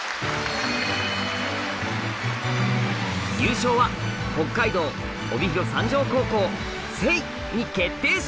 優勝は北海道帯広三条高校「Ｓａｙ」に決定しました！